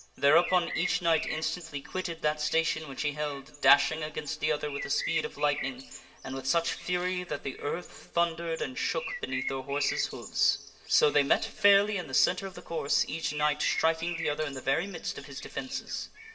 Thereupon each knight in stantly quitted that station which he held, dashing against the Sir Gawain? other with the speed of lightning, and with such fury that the dobattle earth thundered and shook beneath their horses' hoofs. So they met fairly in the centre of the course, each knight striking the other in the very midst of his defences.